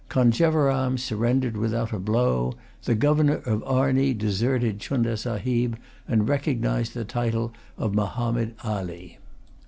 Conjeveram surrendered without a blow. The governor of Arnee deserted Chunda Sahib, and recognised the title of Mahommed Ali.